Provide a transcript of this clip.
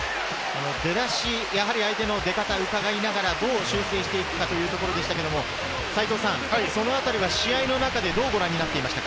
出だし、相手の出方を伺いながらどう勝負していくかというところでしたけれど、試合の中でどうご覧になっていましたか？